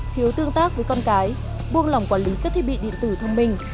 thiếu tương tác với con cái buông lỏng quản lý các thiết bị điện tử thông minh